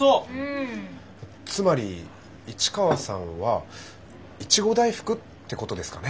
つまり市川さんはいちご大福ってことですかね？